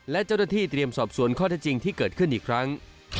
และเจ้าหน้าที่เตรียมสอบสวนข้อเท็จจริงที่เกิดขึ้นอีกครั้ง